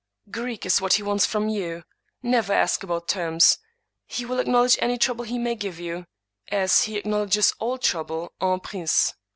Greek is what he wants from you ;— never ask about terms. He will acknowl edge any trouble he may give you, as he acknowledges all trouble, en prince.